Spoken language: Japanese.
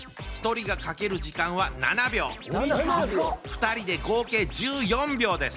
２人で合計１４秒です。